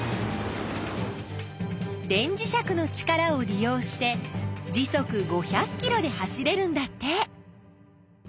電磁石の力を利用して時速５００キロで走れるんだって！